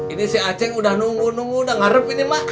ini si acing udah nunggu nunggu udah ngarep ini mah